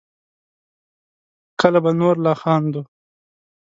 کله به نور لا خندوو